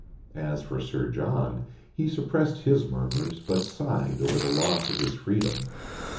As for Sir John, he suppressed his murmurs, but sighed over the loss of his freedom.